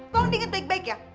tolong dengan baik baik ya